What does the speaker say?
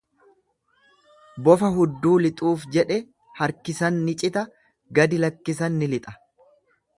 Bofa hudduu lixuuf jedhe harkisan ni cita, gadi lakkisan ni lixa.